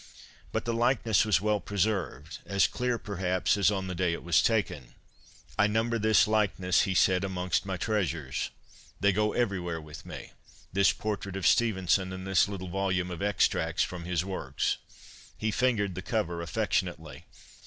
But the likeness was well preserved, as clear, perhaps, as on the day it was taken. ' I number this likeness,' he said, ' amongst my treasures. They go everywhere with me — this por trait of Stevenson and this little volume of extracts from his works.' He fingered the cover affec tionately.